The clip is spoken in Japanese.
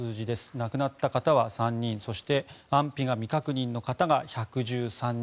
亡くなった方は３人そして安否が未確認の方が１１３人